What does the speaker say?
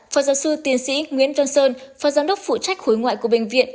phó giáo sư tiến sĩ nguyễn văn sơn phó giám đốc phụ trách khối ngoại của bệnh viện